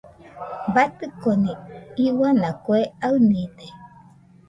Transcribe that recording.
Batɨconi iuana kue aɨnide.